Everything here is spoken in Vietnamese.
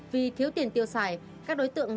vì thiếu tiền tiêu xài các đối tượng